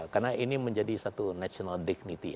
karena ini menjadi satu national dignity